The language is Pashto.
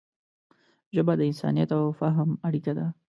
ژبه د انسانیت او فهم اړیکه ده